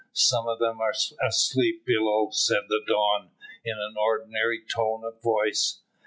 Some of them are asleep below," said the Don, in an ordinary tone of voice.